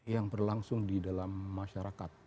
yang berlangsung di dalam masyarakat